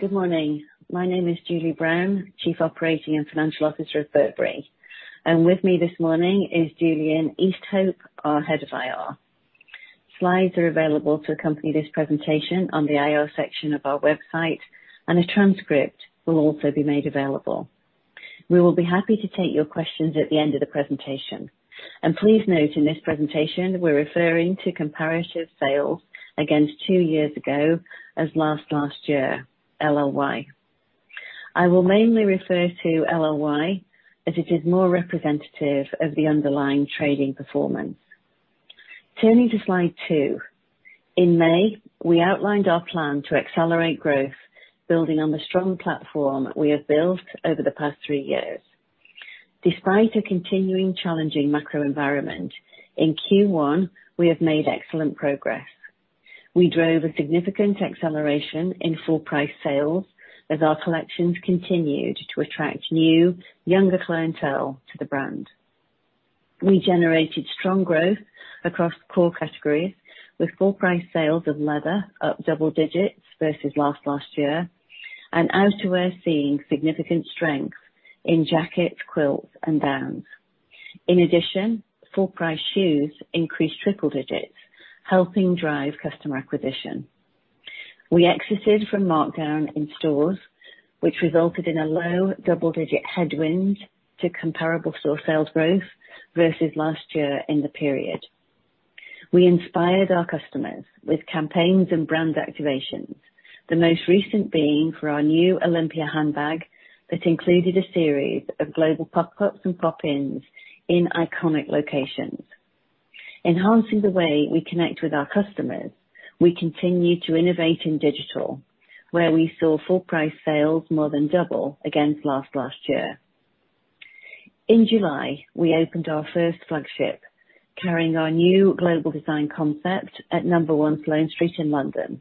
Good morning. My name is Julie Brown, Chief Operating and Financial Officer of Burberry. With me this morning is Julian Easthope, our Head of IR. Slides are available to accompany this presentation on the IR section of our website, and a transcript will also be made available. We will be happy to take your questions at the end of the presentation. Please note, in this presentation, we're referring to comparative sales against two years ago as last last year, LLY. I will mainly refer to LLY as it is more representative of the underlying trading performance. Turning to slide two. In May, we outlined our plan to accelerate growth, building on the strong platform we have built over the past three years. Despite a continuing challenging macro environment, in Q1, we have made excellent progress. We drove a significant acceleration in full price sales as our collections continued to attract new, younger clientele to the brand. We generated strong growth across core categories, with full price sales of leather up double digits versus last year, and outerwear seeing significant strength in jackets, quilts, and downs. In addition, full price shoes increased triple digits, helping drive customer acquisition. We exited from markdown in stores, which resulted in a low double-digit headwind to comparable store sales growth versus last year in the period. We inspired our customers with campaigns and brand activations, the most recent being for our new Olympia handbag that included a series of global pop-ups and pop-ins in iconic locations. Enhancing the way we connect with our customers, we continue to innovate in digital, where we saw full price sales more than double against last year. In July, we opened our first flagship, carrying our new global design concept at Number One Sloane Street in London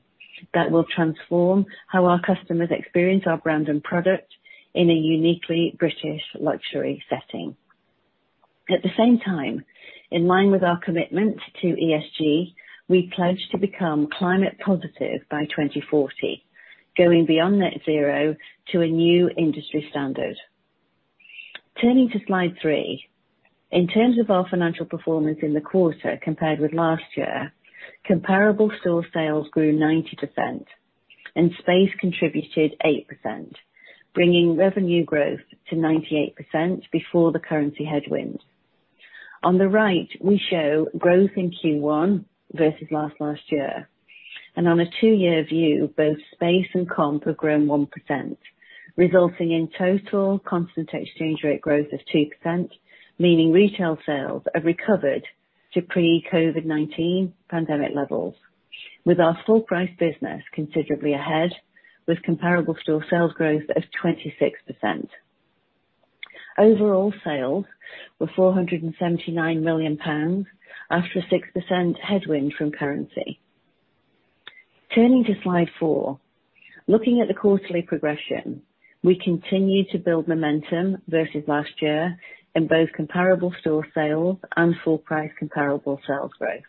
that will transform how our customers experience our brand and product in a uniquely British luxury setting. At the same time, in line with our commitment to ESG, we pledge to become climate positive by 2040, going beyond net zero to a new industry standard. Turning to slide three. In terms of our financial performance in the quarter compared with last year, comparable store sales grew 90%, and space contributed 8%, bringing revenue growth to 98% before the currency headwind. On the right, we show growth in Q1 versus last year. On a two-year view, both space and comp have grown 1%, resulting in total constant exchange rate growth of 2%, meaning retail sales have recovered to pre-COVID-19 pandemic levels, with our full price business considerably ahead, with comparable store sales growth of 26%. Overall sales were 479 million pounds, after a 6% headwind from currency. Turning to slide four. Looking at the quarterly progression, we continue to build momentum versus last year in both comparable store sales and full price comparable sales growth.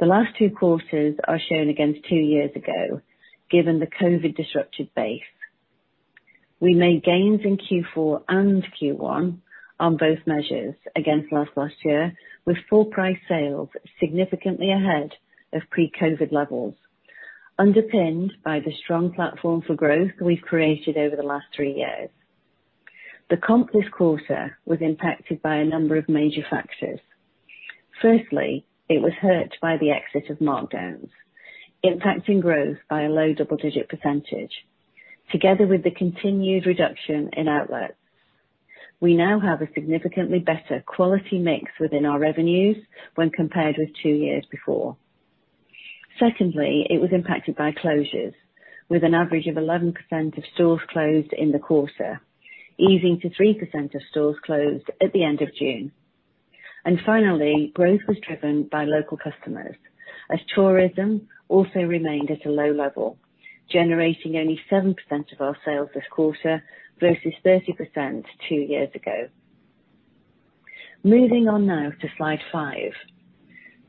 The last two quarters are shown against two years ago, given the COVID disrupted base. We made gains in Q4 and Q1 on both measures against last year, with full price sales significantly ahead of pre-COVID levels, underpinned by the strong platform for growth we've created over the last three years. The comp this quarter was impacted by a number of major factors. Firstly, it was hurt by the exit of markdowns, impacting growth by a low double-digit %, together with the continued reduction in outlets. We now have a significantly better quality mix within our revenues when compared with two years before. Secondly, it was impacted by closures with an average of 11% of stores closed in the quarter, easing to 3% of stores closed at the end of June. Finally, growth was driven by local customers as tourism also remained at a low level, generating only 7% of our sales this quarter versus 30% two years ago. Moving on now to slide five.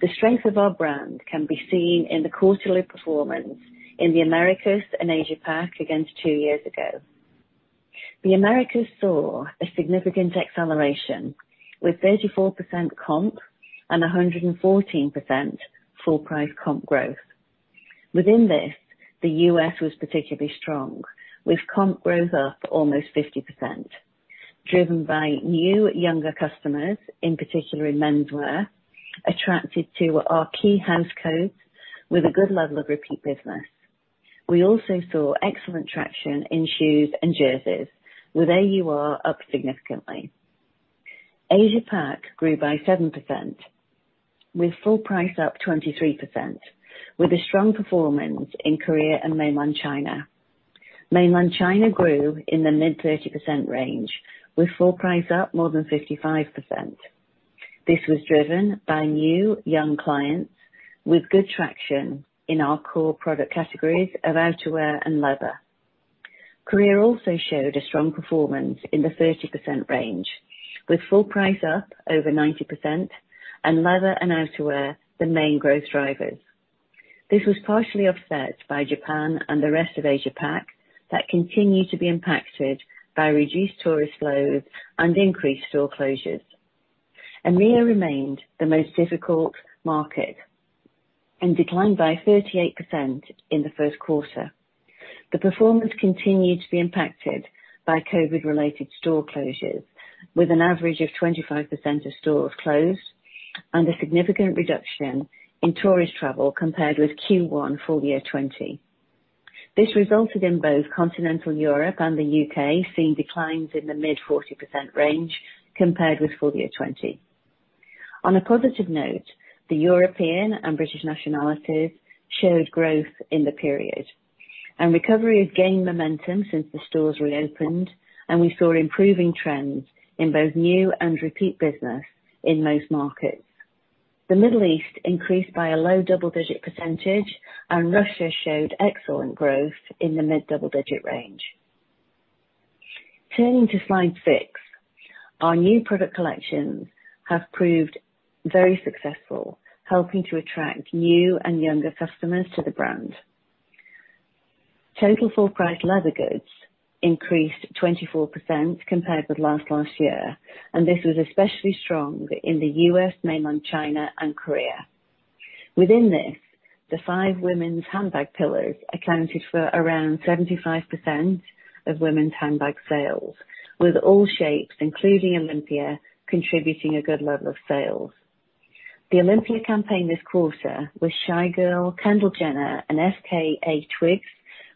The strength of our brand can be seen in the quarterly performance in the Americas and Asia-Pac against two years ago. The Americas saw a significant acceleration with 34% comp and 114% full price comp growth. Within this, the U.S. was particularly strong, with comp growth up almost 50%, driven by new, younger customers, in particular in menswear, attracted to our key house codes with a good level of repeat business. We also saw excellent traction in shoes and jerseys, with AUR up significantly. Asia-Pac grew by 7%, with full price up 23%, with a strong performance in Korea and Mainland China. Mainland China grew in the mid-30% range, with full price up more than 55%. This was driven by new, young clients with good traction in our core product categories of outerwear and leather. Korea also showed a strong performance in the 30% range, with full price up over 90%, and leather and outerwear the main growth drivers. This was partially offset by Japan and the rest of Asia-Pac, that continue to be impacted by reduced tourist flows and increased store closures. EMEA remained the most difficult market and declined by 38% in the first quarter. The performance continued to be impacted by COVID-related store closures, with an average of 25% of stores closed and a significant reduction in tourist travel compared with Q1 full year 2020. This resulted in both continental Europe and the U.K. seeing declines in the mid 40% range compared with full year 2020. On a positive note, the European and British nationalities showed growth in the period, and recovery has gained momentum since the stores reopened, and we saw improving trends in both new and repeat business in most markets. The Middle East increased by a low double-digit percentage, and Russia showed excellent growth in the mid double-digit range. Turning to slide six. Our new product collections have proved very successful, helping to attract new and younger customers to the brand. Total full price leather goods increased 24% compared with last year. This was especially strong in the U.S., Mainland China, and Korea. Within this, the five women's handbag pillars accounted for around 75% of women's handbag sales, with all shapes, including Olympia, contributing a good level of sales. The Olympia campaign this quarter with Shygirl, Kendall Jenner, and FKA twigs,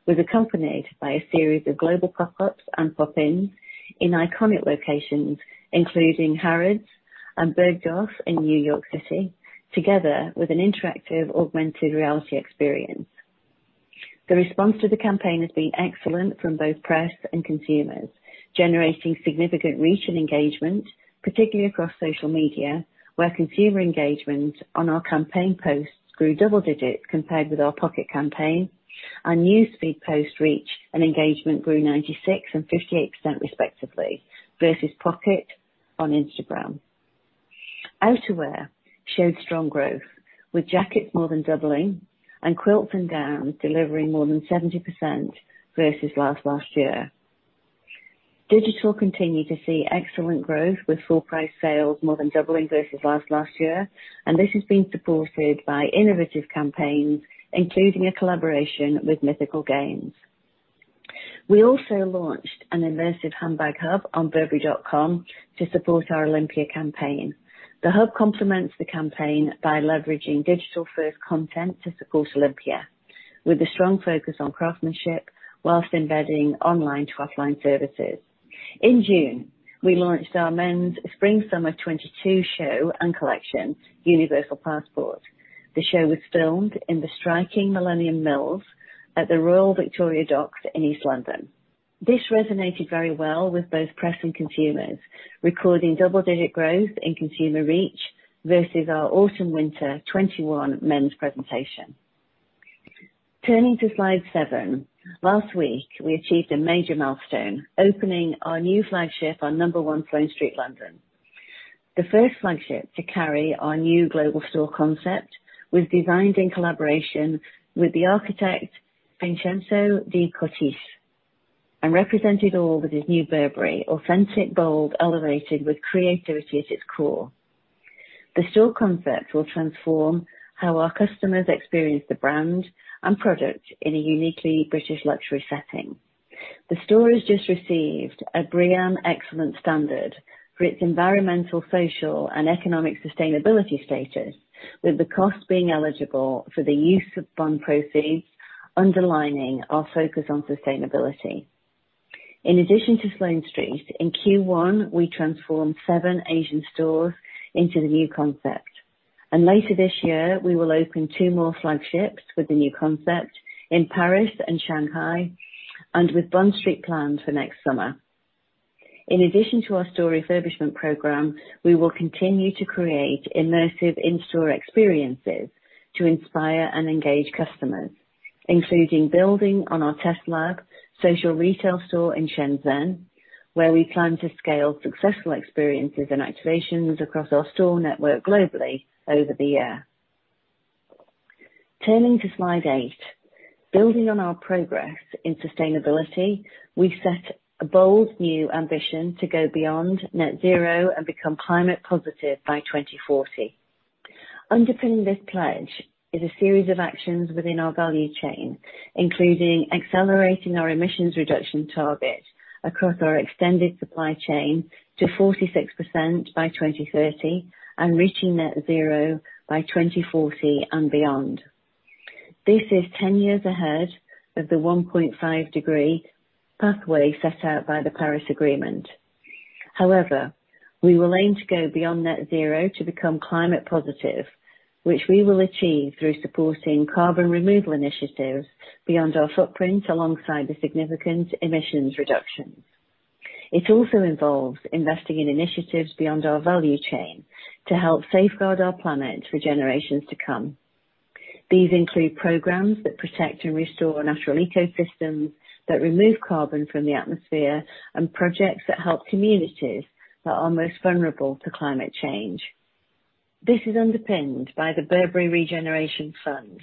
was accompanied by a series of global pop-ups and pop-ins in iconic locations, including Harrods and Bergdorf in New York City, together with an interactive augmented reality experience. The response to the campaign has been excellent from both press and consumers, generating significant reach and engagement, particularly across social media, where consumer engagement on our campaign posts grew double digits compared with our Pocket campaign. Our newsfeed post reach and engagement grew 96% and 58% respectively, versus Pocket on Instagram. Outerwear showed strong growth, with jackets more than doubling and quilts and downs delivering more than 70% versus last year. Digital continued to see excellent growth, with full price sales more than doubling versus last year. This has been supported by innovative campaigns, including a collaboration with Mythical Games. We also launched an immersive handbag hub on burberry.com to support our Olympia campaign. The hub complements the campaign by leveraging digital-first content to support Olympia, with a strong focus on craftsmanship whilst embedding online to offline services. In June, we launched our men's Spring/Summer 2022 show and collection, Universal Passport. The show was filmed in the striking Millennium Mills at the Royal Victoria Dock in East London. This resonated very well with both press and consumers, recording double-digit growth in consumer reach versus our Autumn/Winter 2021 men's presentation. Turning to slide seven. Last week, we achieved a major milestone, opening our new flagship on number 1 Sloane Street, London. The first flagship to carry our new global store concept was designed in collaboration with the architect Vincenzo De Cotiis and represented all that is new Burberry: authentic, bold, elevated with creativity at its core. The store concept will transform how our customers experience the brand and product in a uniquely British luxury setting. The store has just received a BREEAM excellent standard for its environmental, social, and economic sustainability status, with the cost being eligible for the use of bond proceeds, underlining our focus on sustainability. In addition to Sloane Street, in Q1, we transformed 7 Asian stores into the new concept. Later this year, we will open 2 more flagships with the new concept in Paris and Shanghai, and with Bond Street planned for next summer. In addition to our store refurbishment program, we will continue to create immersive in-store experiences to inspire and engage customers, including building on our test lab social retail store in Shenzhen, where we plan to scale successful experiences and activations across our store network globally over the year. Turning to slide 8. Building on our progress in sustainability, we set a bold new ambition to go beyond net zero and become climate positive by 2040. Underpinning this pledge is a series of actions within our value chain, including accelerating our emissions reduction target across our extended supply chain to 46% by 2030 and reaching net zero by 2040 and beyond. This is 10 years ahead of the 1.5 degree pathway set out by the Paris Agreement. We will aim to go beyond net zero to become climate positive, which we will achieve through supporting carbon removal initiatives beyond our footprint, alongside the significant emissions reduction. It also involves investing in initiatives beyond our value chain to help safeguard our planet for generations to come. These include programs that protect and restore natural ecosystems, that remove carbon from the atmosphere, and projects that help communities that are most vulnerable to climate change. This is underpinned by the Burberry Regeneration Fund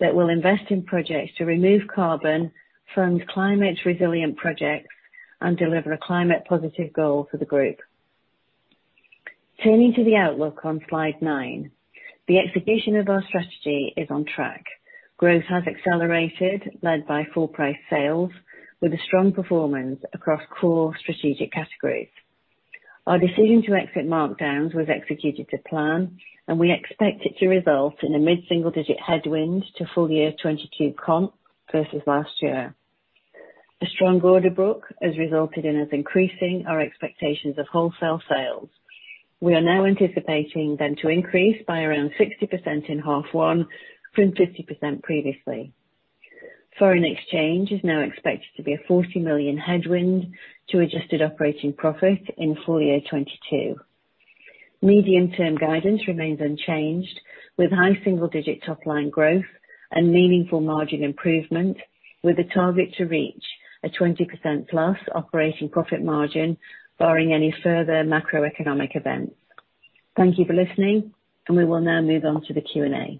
that will invest in projects to remove carbon, fund climate resilient projects, and deliver a climate positive goal for the group. Turning to the outlook on slide 9. The execution of our strategy is on track. Growth has accelerated, led by full price sales, with a strong performance across core strategic categories. Our decision to exit markdowns was executed to plan, and we expect it to result in a mid-single digit headwind to full year 2022 comp versus last year. A strong order book has resulted in us increasing our expectations of wholesale sales. We are now anticipating them to increase by around 60% in half 1 from 50% previously. Foreign exchange is now expected to be a 40 million headwind to adjusted operating profit in full year 2022. Medium-term guidance remains unchanged, with high single-digit top line growth and meaningful margin improvement, with a target to reach a 20%+ operating profit margin barring any further macroeconomic events. Thank you for listening, and we will now move on to the Q&A. To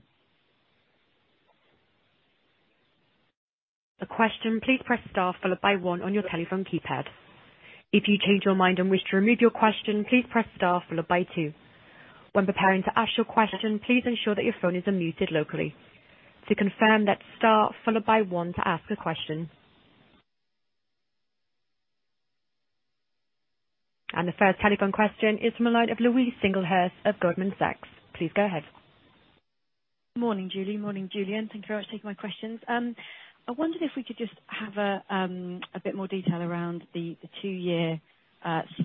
ask question please press star followed by one on your telephone keypad. If you change your mind on which to unmute your question please press star followed by two. When the time to ask your question please ensure that your phone is unmuted locally. To confirm that star from the five one to ask a question. The first telephone question is from the line of Louise Singlehurst of Goldman Sachs. Please go ahead. Morning, Julie. Morning, Julian. Thank you very much for taking my questions. I wondered if we could just have a bit more detail around the 2-year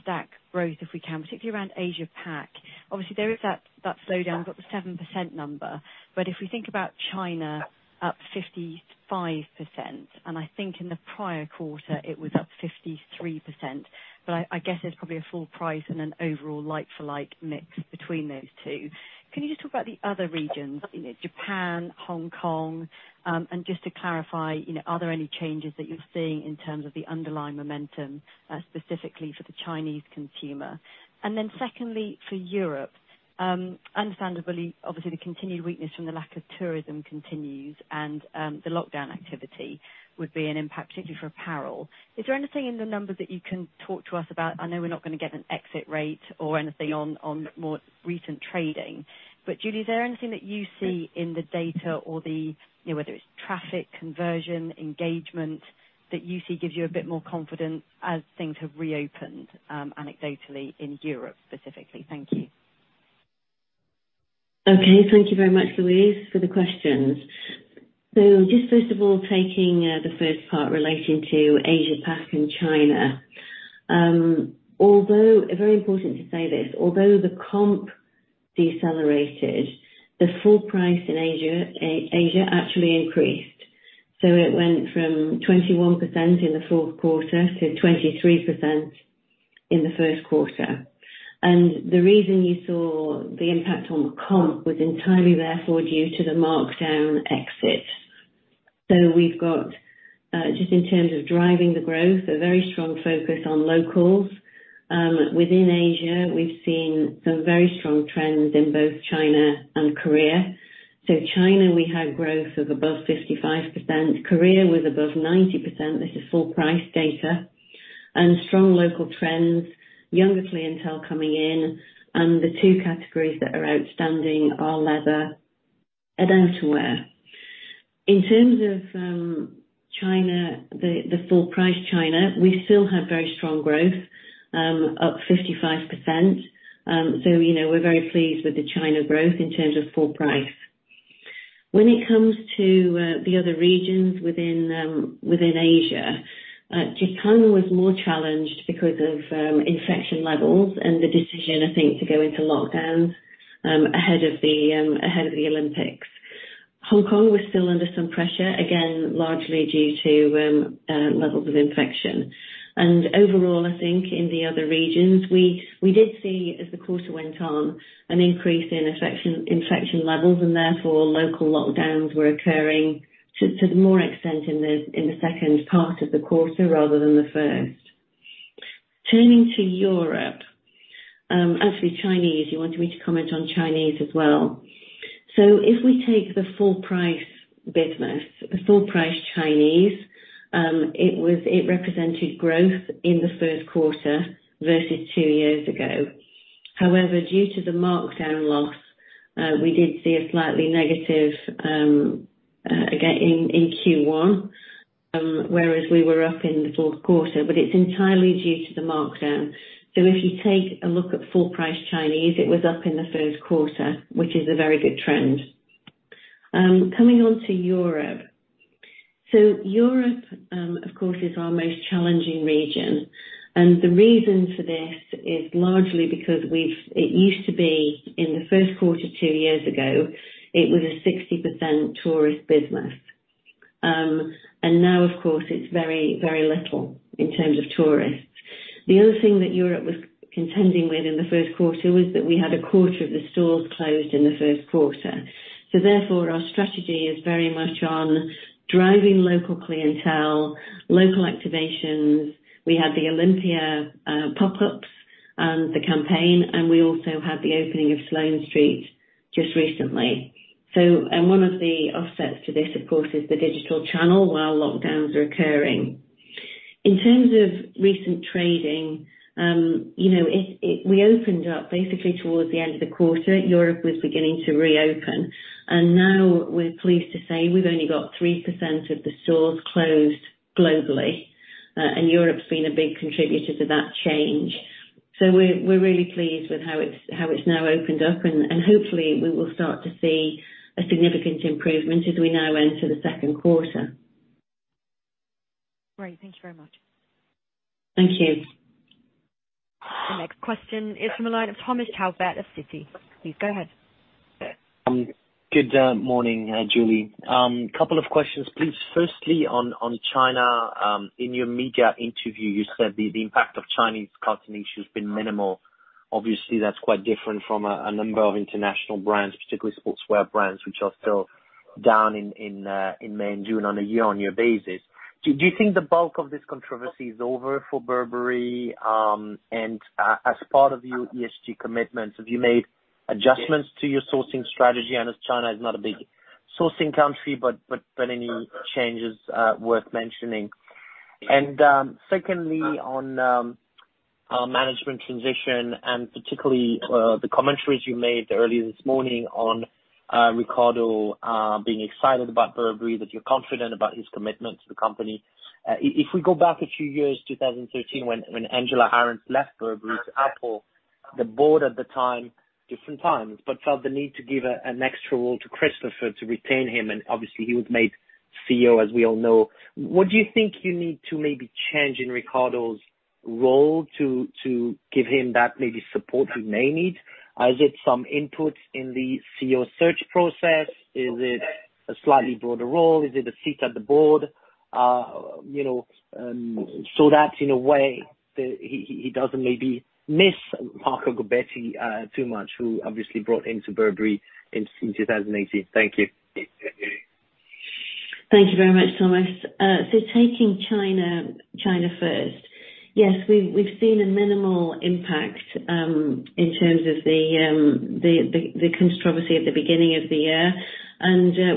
stack growth, if we can, particularly around Asia Pac. Obviously, there is that slowdown, got the 7% number. If we think about China up 55%, and I think in the prior quarter it was up 53%. I guess there's probably a full price and an overall like for like mix between those two. Can you just talk about the other regions, Japan, Hong Kong? Just to clarify, are there any changes that you're seeing in terms of the underlying momentum, specifically for the Chinese consumer? Then secondly, for Europe, understandably, obviously the continued weakness from the lack of tourism continues and the lockdown activity would be an impact, particularly for apparel. Is there anything in the numbers that you can talk to us about? I know we're not going to get an exit rate or anything on more recent trading. Julie, is there anything that you see in the data or the, whether it's traffic, conversion, engagement, that you see gives you a bit more confidence as things have reopened, anecdotally in Europe specifically? Thank you. Okay, thank you very much, Louise, for the questions. Just first of all, taking the first part relating to Asia Pac and China. Very important to say this, although the comp decelerated, the full price in Asia actually increased. It went from 21% in the 4th quarter to 23% in the 1st quarter. The reason you saw the impact on the comp was entirely therefore due to the markdown exit. We've got, just in terms of driving the growth, a very strong focus on locals. Within Asia, we've seen some very strong trends in both China and Korea. China, we had growth of above 55%. Korea was above 90%. This is full price data. Strong local trends, younger clientele coming in, and the 2 categories that are outstanding are leather and outerwear. In terms of China, the full price China, we still have very strong growth, up 55%. We're very pleased with the China growth in terms of full price. When it comes to the other regions within Asia, Japan was more challenged because of infection levels and the decision, I think, to go into lockdowns ahead of the Olympics. Hong Kong was still under some pressure, again, largely due to levels of infection. Overall, I think in the other regions, we did see as the quarter went on, an increase in infection levels and therefore local lockdowns were occurring to the more extent in the second part of the quarter rather than the first. Turning to Europe. Actually Chinese, you wanted me to comment on Chinese as well. If we take the full price business, the full price Chinese, it represented growth in the first quarter versus two years ago. Due to the markdown loss, we did see a slightly negative, again, in Q1, whereas we were up in the fourth quarter, but it's entirely due to the markdown. If you take a look at full price Chinese, it was up in the first quarter, which is a very good trend. Coming on to Europe. Europe, of course, is our most challenging region, and the reason for this is largely because it used to be in the first quarter two years ago, it was a 60% tourist business. Now, of course, it's very little in terms of tourists. The other thing that Europe was contending with in the first quarter was that we had a quarter of the stores closed in the first quarter. Therefore, our strategy is very much on driving local clientele, local activations. We had the Olympia pop-ups and the campaign, we also had the opening of Sloane Street just recently. One of the offsets to this, of course, is the digital channel while lockdowns are occurring. In terms of recent trading, we opened up basically towards the end of the quarter. Europe was beginning to reopen. Now we're pleased to say we've only got 3% of the stores closed globally, Europe's been a big contributor to that change. We're really pleased with how it's now opened up, hopefully we will start to see a significant improvement as we now enter the second quarter. Great. Thank you very much. Thank you. The next question is from the line of Thomas Chauvet at Citi. Please go ahead. Good morning, Julie. Couple of questions, please. Firstly, on China, in your media interview, you said the impact of Chinese cotton issues has been minimal. Obviously, that's quite different from a number of international brands, particularly sportswear brands, which are still down in May and June on a year-on-year basis. Do you think the bulk of this controversy is over for Burberry? As part of your ESG commitments, have you made adjustments to your sourcing strategy? I know China is not a big sourcing country, but are there any changes worth mentioning? Secondly, on management transition and particularly the commentaries you made earlier this morning on Riccardo being excited about Burberry, that you're confident about his commitment to the company. If we go back a few years, 2013 when Angela Ahrendts left Burberry to Apple, the board at the time, different times, but felt the need to give an extra role to Christopher to retain him, and obviously he was made CEO, as we all know. What do you think you need to maybe change in Riccardo's role to give him that maybe support he may need? Is it some input in the CEO search process? Is it a slightly broader role? Is it a seat at the board so that in a way he doesn't maybe miss Marco Gobbetti too much, who obviously brought into Burberry in 2018? Thank you. Thank you very much, Thomas. Taking China first. Yes, we've seen a minimal impact in terms of the controversy at the beginning of the year.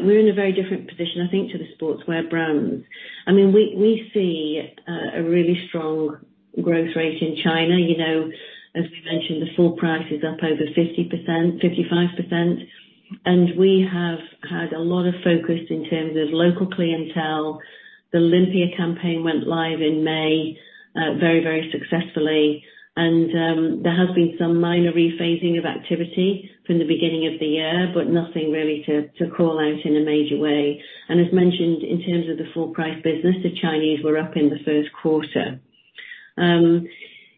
We're in a very different position, I think, to the sportswear brands. We see a really strong growth rate in China. As we mentioned, the full price is up over 55%, and we have had a lot of focus in terms of local clientele. The Olympia campaign went live in May very successfully. There has been some minor rephasing of activity from the beginning of the year, but nothing really to call out in a major way. As mentioned, in terms of the full price business, the Chinese were up in the first quarter.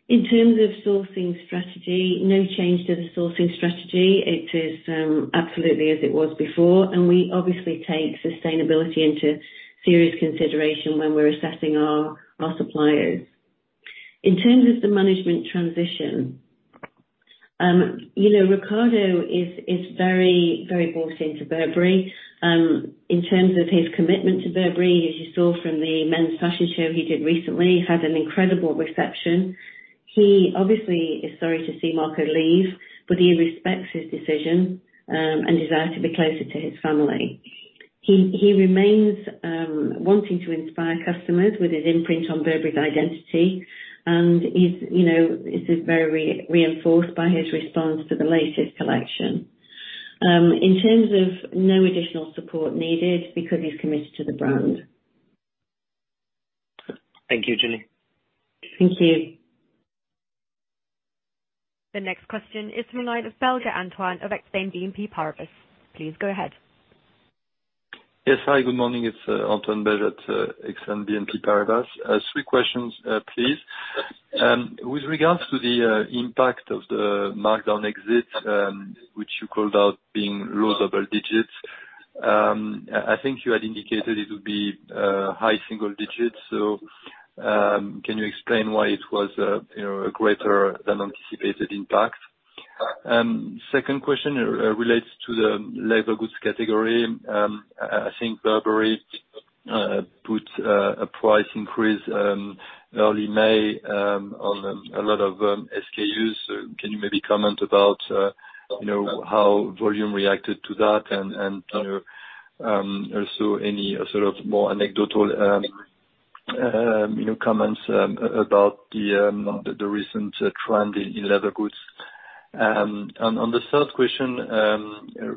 In terms of sourcing strategy, no change to the sourcing strategy. It is absolutely as it was before. We obviously take sustainability into serious consideration when we're assessing our suppliers. In terms of the management transition, Riccardo is very bought into Burberry. In terms of his commitment to Burberry, as you saw from the men's fashion show he did recently, had an incredible reception. He obviously is sorry to see Marco leave, He respects his decision and desire to be closer to his family. He remains wanting to inspire customers with his imprint on Burberry's identity. This is very reinforced by his response to the latest collection. In terms of no additional support needed because he's committed to the brand. Thank you, Julie. Thank you. The next question is from the line of Antoine Belge of Exane BNP Paribas. Please go ahead. Yes, hi. Good morning. It's Antoine Belge at Exane BNP Paribas. Three questions, please. With regards to the impact of the markdown exit, which you called out being low double digits, I think you had indicated it would be high single digits. Can you explain why it was a greater than anticipated impact? Second question relates to the leather goods category. I think Burberry put a price increase early May on a lot of SKUs. Can you maybe comment about how volume reacted to that and also any sort of more anecdotal comments about the recent trend in leather goods? On the 3rd question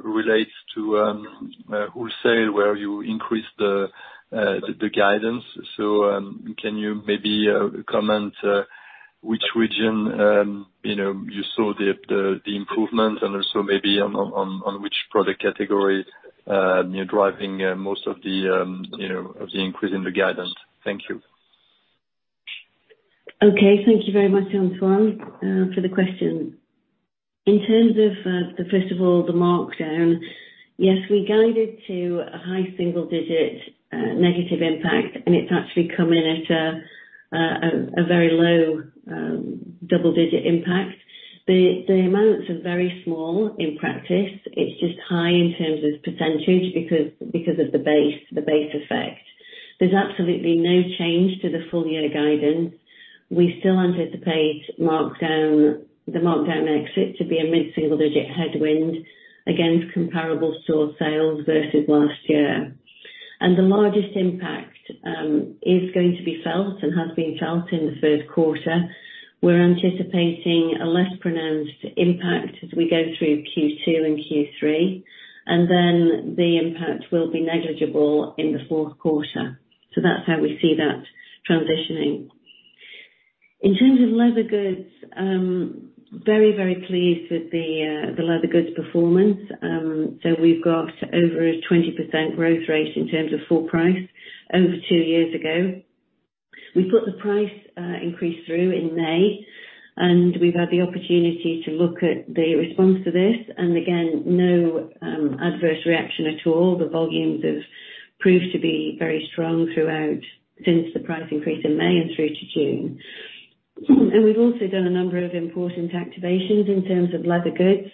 relates to wholesale, where you increased the guidance. Can you maybe comment which region you saw the improvement and also maybe on which product category you're driving most of the increase in the guidance? Thank you. Okay. Thank you very much, Antoine, for the question. In terms of, first of all, the markdown. Yes, we guided to a high single-digit negative impact, and it's actually coming in at a very low double-digit impact. The amounts are very small in practice. It's just high in terms of percentage because of the base effect. There's absolutely no change to the full year guidance. We still anticipate the markdown exit to be a mid-single digit headwind against comparable store sales versus last year. The largest impact is going to be felt and has been felt in the first quarter. We're anticipating a less pronounced impact as we go through Q2 and Q3, then the impact will be negligible in the fourth quarter. That's how we see that transitioning. In terms of leather goods, very, very pleased with the leather goods performance. We've got over a 20% growth rate in terms of full price over two years ago. We put the price increase through in May, and we've had the opportunity to look at the response to this, and again, no adverse reaction at all. The volumes have proved to be very strong throughout since the price increase in May and through to June. We've also done a number of important activations in terms of leather goods,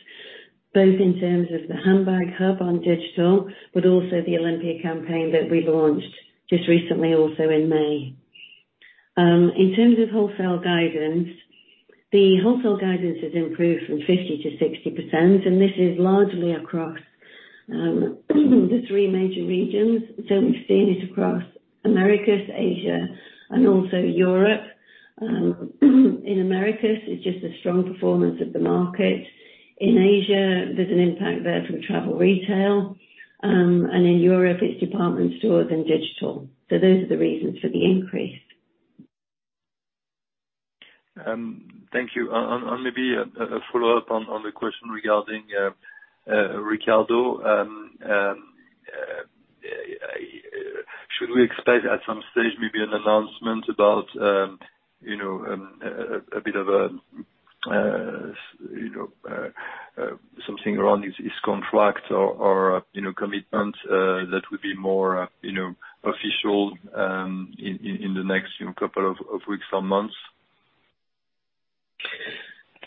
both in terms of the handbag hub on digital, but also the Olympia campaign that we launched just recently, also in May. In terms of wholesale guidance, the wholesale guidance has improved from 50%-60%, and this is largely across the three major regions. We've seen it across Americas, Asia, and also Europe. In Americas, it's just the strong performance of the market. In Asia, there's an impact there from travel retail, and in Europe it's department stores and digital. Those are the reasons for the increase. Thank you. Maybe a follow-up on the question regarding Riccardo. Should we expect at some stage maybe an announcement about something around his contract or commitment that would be more official in the next couple of weeks or months?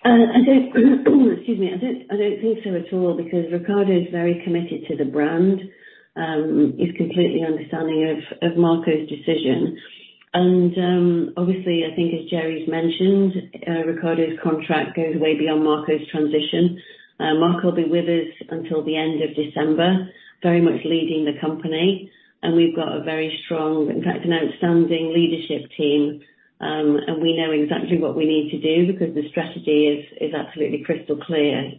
Excuse me. I don't think so at all because Riccardo is very committed to the brand. He's completely understanding of Marco's decision. Obviously, I think as Gerry's mentioned, Riccardo's contract goes way beyond Marco's transition. Marco will be with us until the end of December, very much leading the company. We've got a very strong, in fact, an outstanding leadership team. We know exactly what we need to do because the strategy is absolutely crystal clear.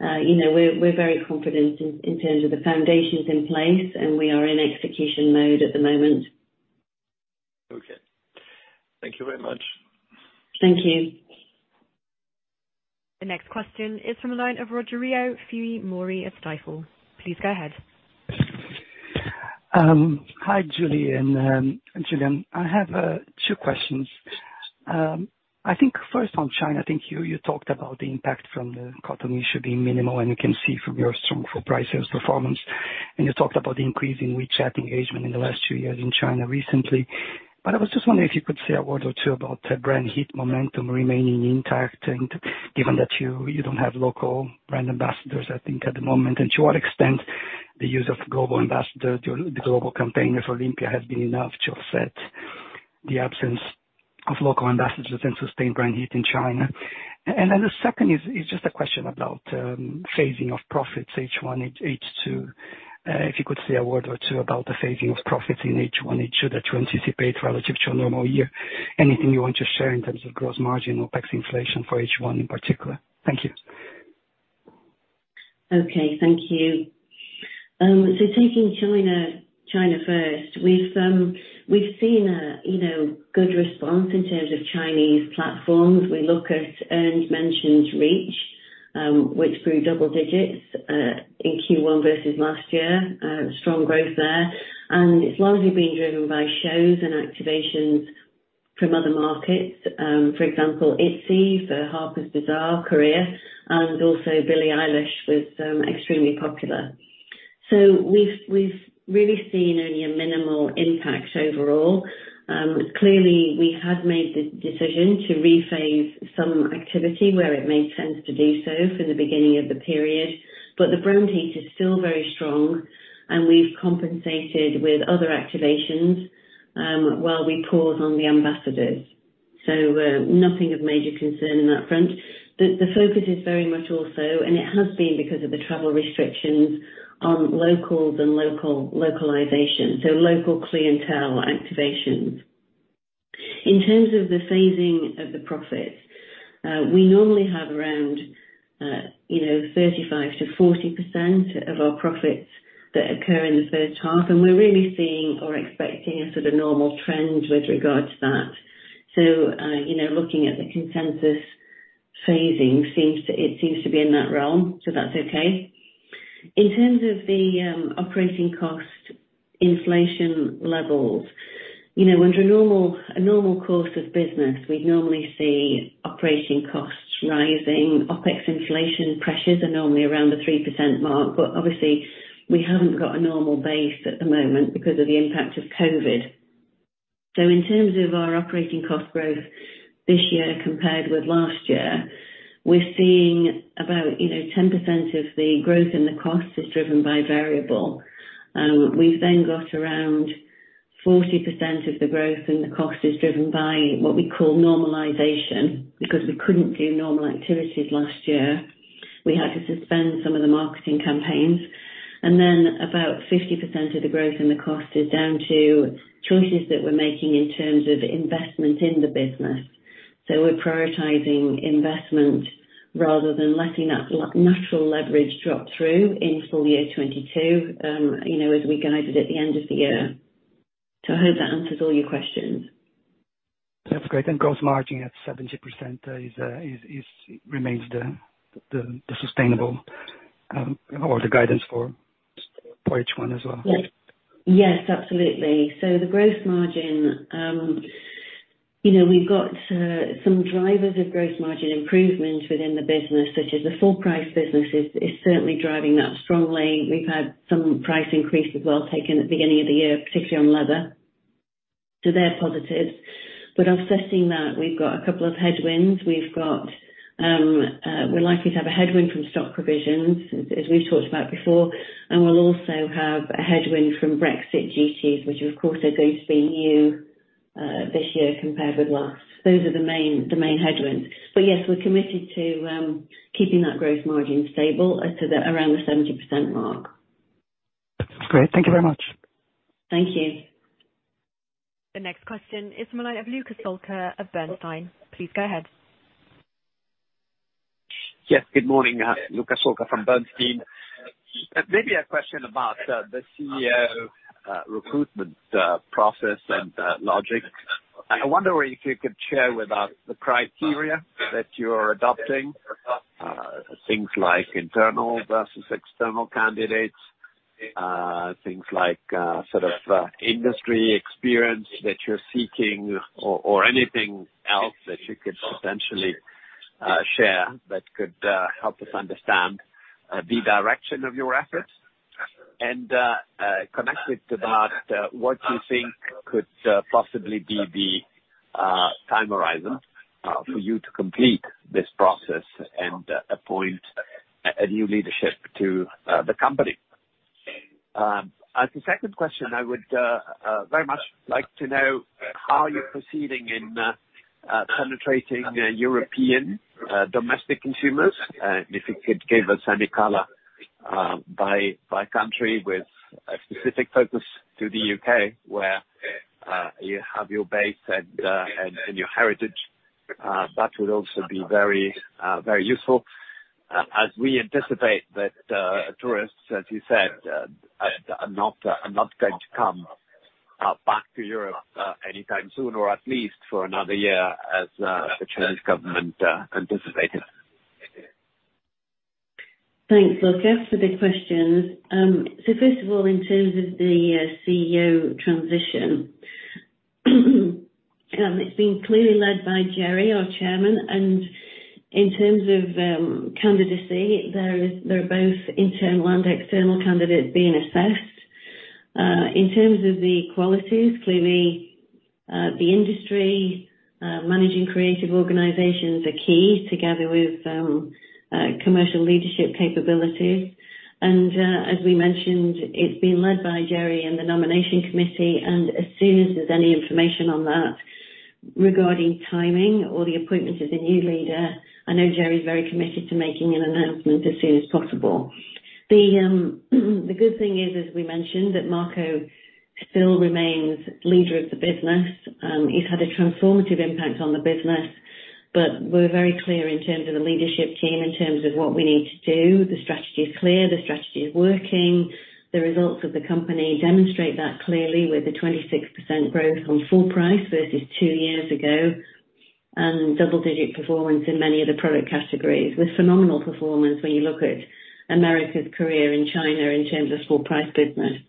We're very confident in terms of the foundations in place, and we are in execution mode at the moment. Okay. Thank you very much. Thank you. The next question is from the line of Rogerio Fujimori of Stifel. Please go ahead. Hi, Julie and Julian Easthope. I have two questions. I think first on China, you talked about the impact from the cotton should be minimal, we can see from your strong full price sales performance, you talked about the increase in WeChat engagement in the last two years in China recently. I was just wondering if you could say a word or two about brand heat momentum remaining intact, given that you don't have local brand ambassadors, I think at the moment. To what extent the use of global ambassador, the global campaign with Olympia has been enough to offset the absence of local ambassadors and sustain brand heat in China. Then the second is just a question about phasing of profits H1, H2. If you could say a word or two about the phasing of profits in H1, H2 that you anticipate relative to a normal year. Anything you want to share in terms of gross margin or tax inflation for H1 in particular. Thank you. Okay. Thank you. Taking China first. We've seen a good response in terms of Chinese platforms. We look at earned, mentioned, reach, which grew double digits in Q1 versus last year. Strong growth there. It's largely being driven by shows and activations from other markets. For example, ITZY for Harper's Bazaar Korea, and also Billie Eilish was extremely popular. We've really seen only a minimal impact overall. Clearly, we had made the decision to rephase some activity where it made sense to do so for the beginning of the period. The brand heat is still very strong and we've compensated with other activations while we pause on the ambassadors. Nothing of major concern on that front. The focus is very much also, and it has been because of the travel restrictions on locals and local localization. Local clientele activations. In terms of the phasing of the profits, we normally have around 35% to 40% of our profits that occur in the first half, and we're really seeing or expecting a sort of normal trend with regard to that. Looking at the consensus phasing, it seems to be in that realm, so that's okay. In terms of the operating cost inflation levels, under a normal course of business, we'd normally see operating costs rising. OPEX inflation pressures are normally around the 3% mark, obviously we haven't got a normal base at the moment because of the impact of COVID-19. In terms of our operating cost growth this year compared with last year, we're seeing about 10% of the growth in the cost is driven by variable. We've then got around 40% of the growth in the cost is driven by what we call normalization. Because we couldn't do normal activities last year, we had to suspend some of the marketing campaigns. About 50% of the growth in the cost is down to choices that we're making in terms of investment in the business. We're prioritizing investment rather than letting that natural leverage drop through in full year 2022 as we guided at the end of the year. I hope that answers all your questions. That's great. Gross margin at 70% remains the sustainable or the guidance for H1 as well? Yes, absolutely. The gross margin, we've got some drivers of gross margin improvement within the business, such as the full price business is certainly driving that strongly. We've had some price increase as well taken at the beginning of the year, particularly on leather. They're positive. Offsetting that, we've got a couple of headwinds. We're likely to have a headwind from stock provisions, as we've talked about before, and we'll also have a headwind from Brexit duties, which of course are going to be new this year compared with last. Those are the main headwinds. Yes, we're committed to keeping that gross margin stable so they're around the 70% mark. Great. Thank you very much. Thank you. The next question is the line of Luca Solca of Bernstein. Please go ahead. Yes, good morning. Luca Solca from Bernstein. Maybe a question about the CEO recruitment process and logic. I wonder if you could share with us the criteria that you are adopting, things like internal versus external candidates, things like sort of industry experience that you're seeking or anything else that you could potentially share that could help us understand the direction of your efforts and connected to that, what you think could possibly be the time horizon for you to complete this process and appoint a new leadership to the company. As a second question, I would very much like to know how you're proceeding in penetrating European domestic consumers. If you could give us any color by country with a specific focus to the U.K. where you have your base and your heritage, that would also be very useful as we anticipate that tourists, as you said, are not going to come back to Europe anytime soon or at least for one year as the Chinese government anticipated. Thanks, Luca, for the questions. First of all, in terms of the CEO transition, it's being clearly led by Gerry, our chairman, and in terms of candidacy, there are both internal and external candidates being assessed. In terms of the qualities, clearly the industry, managing creative organizations are key together with commercial leadership capabilities. As we mentioned, it's being led by Gerry and the nomination committee, and as soon as there's any information on that regarding timing or the appointment of the new leader, I know Gerry is very committed to making an announcement as soon as possible. The good thing is, as we mentioned, that Marco still remains leader of the business. He's had a transformative impact on the business. We're very clear in terms of the leadership team, in terms of what we need to do. The strategy is clear, the strategy is working. The results of the company demonstrate that clearly with a 26% growth on full price versus two years ago and double-digit performance in many of the product categories with phenomenal performance when you look at Americas, Korea, and China in terms of full price business.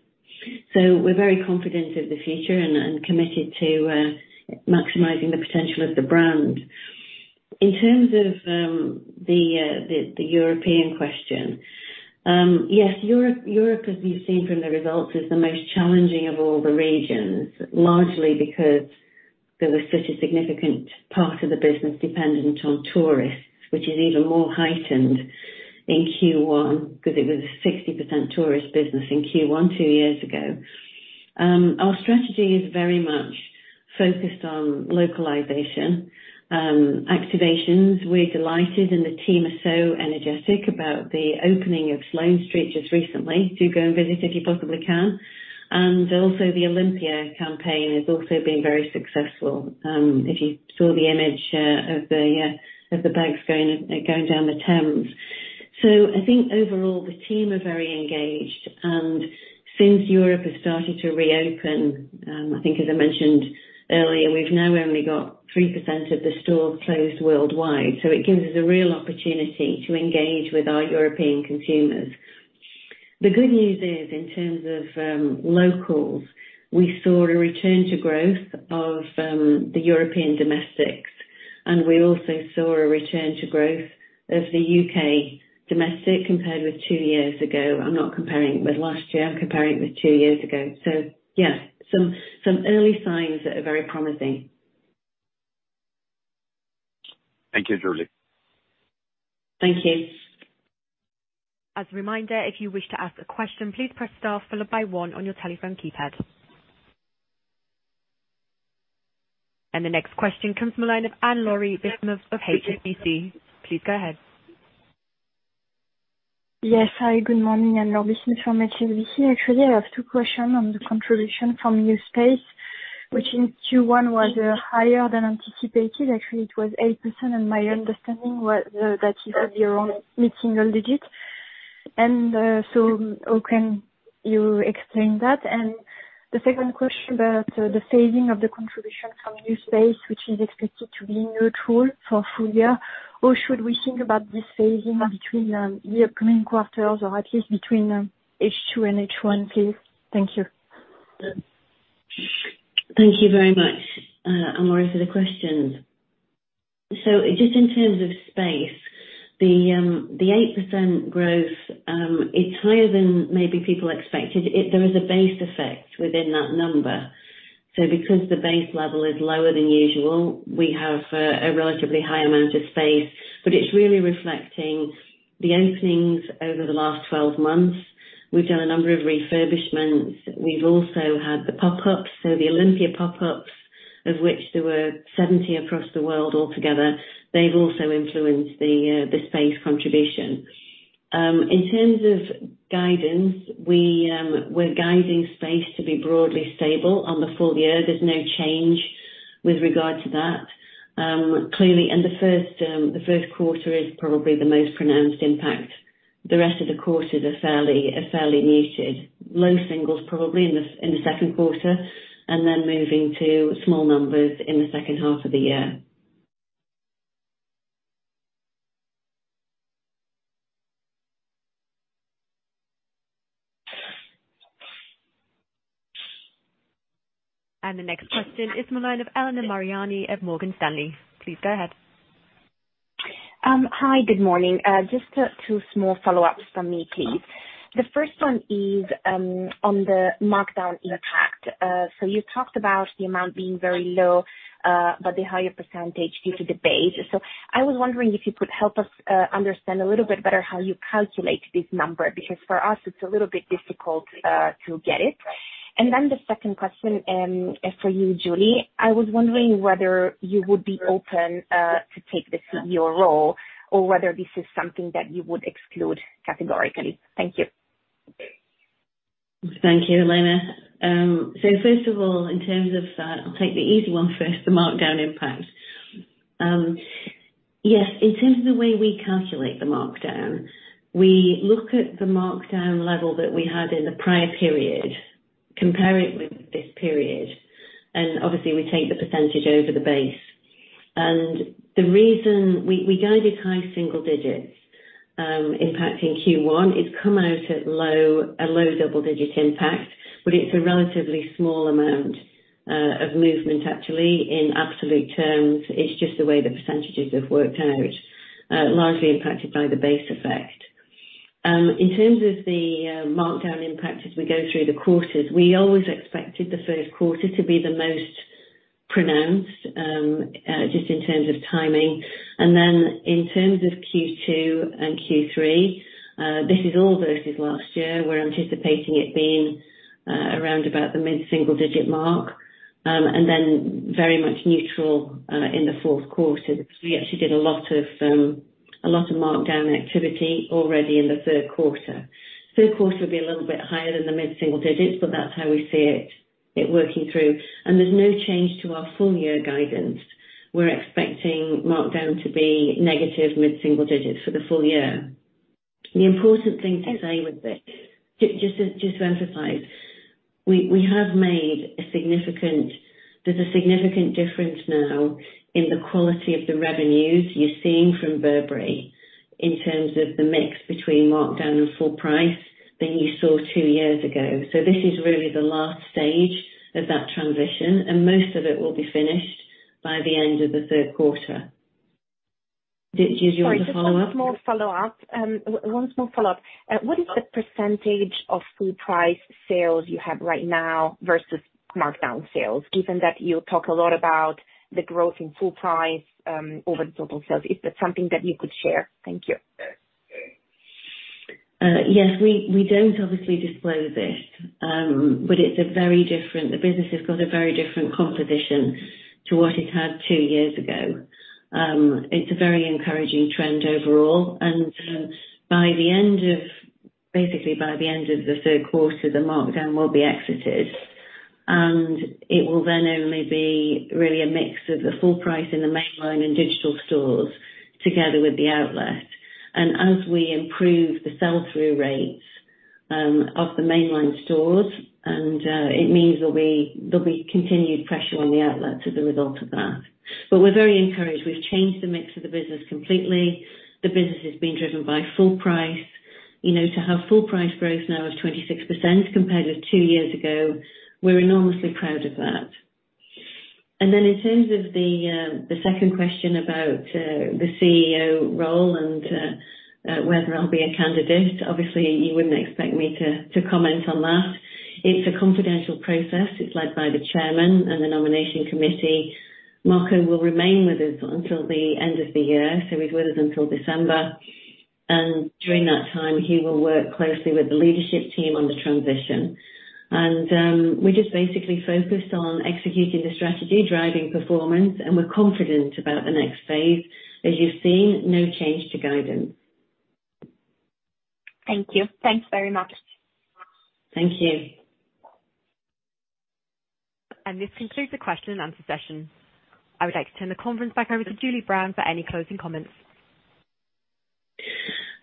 We're very confident of the future and committed to maximizing the potential of the brand. In terms of the European question, yes, Europe, as we've seen from the results, is the most challenging of all the regions, largely because there was such a significant part of the business dependent on tourists, which is even more heightened in Q1 because it was a 60% tourist business in Q1 two years ago. Our strategy is very much focused on localization. Activations, we're delighted and the team are so energetic about the opening of Sloane Street just recently. Do go and visit if you possibly can. The Olympia campaign has also been very successful if you saw the image of the bags going down the Thames. I think overall, the team are very engaged. Since Europe has started to reopen, I think as I mentioned earlier, we've now only got 3% of the stores closed worldwide. It gives us a real opportunity to engage with our European consumers. The good news is, in terms of locals, we saw a return to growth of the European domestics, and we also saw a return to growth of the U.K. domestic compared with two years ago. I'm not comparing it with last year, I'm comparing it with two years ago. Yes, some early signs that are very promising. Thank you, Julie. Thank you. As a reminder, if you wish to ask a question, please press star followed by one on your telephone keypad. The next question comes from the line of Anne-Laure Bismuth of HSBC. Please go ahead. Yes. Hi, good morning. Anne-Laure Bismuth from HSBC. Actually, I have two questions on the contribution from new space, which in Q1 was higher than anticipated. Actually, it was 8%, and my understanding was that you said you're on mid-single digits. How can you explain that? The second question about the phasing of the contribution from new space, which is expected to be neutral for full year. Should we think about this phasing between the upcoming quarters or at least between H2 and H1, please? Thank you. Thank you very much, Anne-Laure, for the questions. Just in terms of space, the 8% growth is higher than maybe people expected. There is a base effect within that number. Because the base level is lower than usual, we have a relatively high amount of space, but it's really reflecting the openings over the last 12 months. We've done a number of refurbishments. We've also had the pop-ups, so the Olympia pop-ups, of which there were 70 across the world altogether. They've also influenced the space contribution. In terms of guidance, we're guiding space to be broadly stable on the full year. There's no change with regard to that. Clearly, the first quarter is probably the most pronounced impact. The rest of the quarters are fairly muted. Low singles probably in the second quarter, then moving to small numbers in the second half of the year. The next question is the line of Elena Mariani of Morgan Stanley. Please go ahead. Hi, good morning. Just two small follow-ups from me, please. The first one is on the markdown impact. You talked about the amount being very low, but the higher percentage due to the base. I was wondering if you could help us understand a little bit better how you calculate this number, because for us, it's a little bit difficult to get it. The second question for you, Julie, I was wondering whether you would be open to take the CEO role or whether this is something that you would exclude categorically. Thank you. Thank you, Elena. First of all, in terms of that, I'll take the easy one first, the markdown impact. Yes, in terms of the way we calculate the markdown, we look at the markdown level that we had in the prior period, compare it with this period, and obviously, we take the percentage over the base. The reason we guided high single digits impacting Q1, it's come out at a low double-digit impact, but it's a relatively small amount of movement actually in absolute terms. It's just the way the percentages have worked out, largely impacted by the base effect. In terms of the markdown impact as we go through the quarters, we always expected the first quarter to be the most pronounced, just in terms of timing. In terms of Q2 and Q3, this is all versus last year. We're anticipating it being around about the mid-single digit mark, and then very much neutral in the fourth quarter. We actually did a lot of markdown activity already in the third quarter. Third quarter will be a little bit higher than the mid-single digits, but that's how we see it working through. There's no change to our full year guidance. We're expecting markdown to be negative mid-single digits for the full year. The important thing to say with this, just to emphasize, there's a significant difference now in the quality of the revenues you're seeing from Burberry in terms of the mix between markdown and full price than you saw two years ago. This is really the last stage of that transition, and most of it will be finished by the end of the third quarter. Did you want to follow up? Sorry, just one small follow-up. What is the percentage of full price sales you have right now versus markdown sales, given that you talk a lot about the growth in full price over the total sales? Is that something that you could share? Thank you. Yes. We don't obviously disclose this. The business has got a very different composition to what it had two years ago. It's a very encouraging trend overall. Basically by the end of the 3rd quarter, the markdown will be exited. It will then only be really a mix of the full price in the mainline and digital stores together with the outlet. As we improve the sell-through rates of the mainline stores, and it means there'll be continued pressure on the outlets as a result of that. We're very encouraged. We've changed the mix of the business completely. The business is being driven by full price. To have full price growth now of 26% compared with two years ago, we're enormously proud of that. Then in terms of the second question about the CEO role and whether I'll be a candidate, obviously you wouldn't expect me to comment on that. It's a confidential process. It's led by the chairman and the nomination committee. Marco will remain with us until the end of the year, so he's with us until December. During that time, he will work closely with the leadership team on the transition. We're just basically focused on executing the strategy, driving performance, and we're confident about the next phase. As you've seen, no change to guidance. Thank you. Thanks very much. Thank you. This concludes the question and answer session. I would like to turn the conference back over to Julie Brown for any closing comments.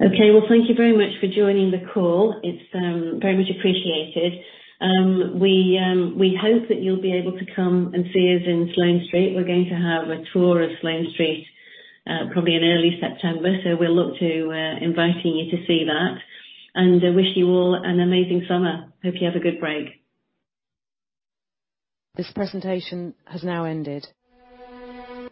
Okay. Well, thank you very much for joining the call. It's very much appreciated. We hope that you'll be able to come and see us in Sloane Street. We're going to have a tour of Sloane Street, probably in early September. We'll look to inviting you to see that. I wish you all an amazing summer. Hope you have a good break. This presentation has now ended.